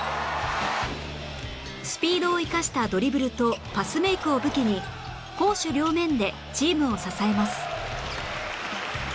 スピードを生かしたドリブルとパスメイクを武器に攻守両面でチームを支えます